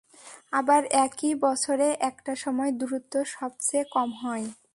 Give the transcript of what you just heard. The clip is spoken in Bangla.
আবার একই বছরে একটা সময় দূরত্ব সবচেয়ে কম হয়।